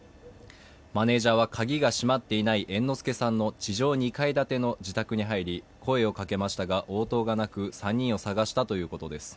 マネージャーは鍵が閉まっていない猿之助さんの地上２階建ての自宅に入り、声をかけましたが応答がなく３人を捜したということです。